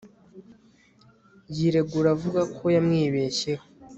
yiregura avuga ko yamwibeshyeho